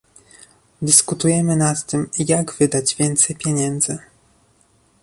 Dyskutujemy nad tym, jak wydać więcej pieniędzy